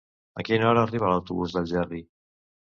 A quina hora arriba l'autobús d'Algerri?